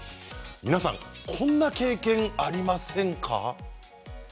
皆さん、こんな経験ありませんか。